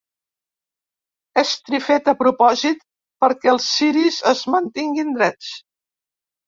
Estri fet a propòsit perquè els ciris es mantinguin drets.